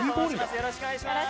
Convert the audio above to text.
よろしくお願いします